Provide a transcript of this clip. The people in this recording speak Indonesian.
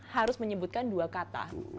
harus menyebutkan dua kata